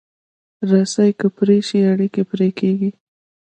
رسۍ که پرې شي، اړیکې پرې کېږي.